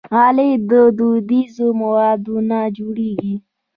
غالۍ له دودیزو موادو نه جوړېږي.